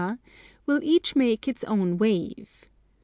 will each make its own wave.